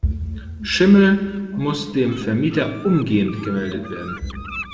Schimmel muss dem Vermieter umgehend gemeldet werden.